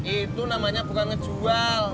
itu namanya bukan ngejual